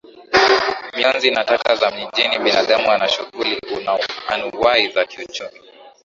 mionzi na taka za mijini Binadamu ana shughuli anuwai za kiuchumi